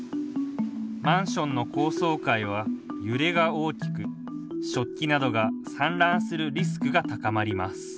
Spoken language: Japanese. マンションの高層階は揺れが大きく食器などが散乱するリスクが高まります。